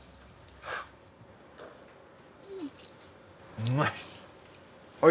うまい！